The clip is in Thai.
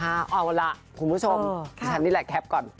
เอาล่ะคุณผู้ชมดิฉันนี่แหละแคปก่อน